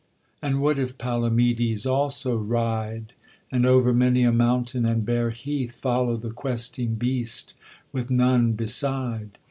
And what if Palomydes also ride, And over many a mountain and bare heath Follow the questing beast with none beside?